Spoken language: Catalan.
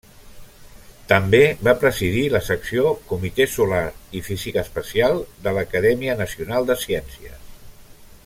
També va presidir la secció Comitè Solar i Física Espacial de l'Acadèmia Nacional de Ciències.